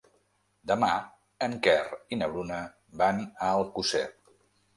Demà en Quer i na Bruna van a Alcosser.